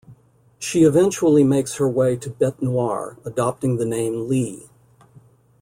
She eventually makes her way to Bete Noire, adopting the name "Lee".